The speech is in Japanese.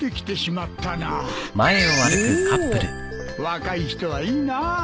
若い人はいいなぁ。